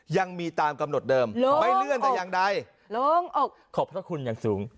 ยังมีตามกำหนดเดิมไม่เลื่อนแต่อย่างใดลงอกขอบพระคุณอย่างสูง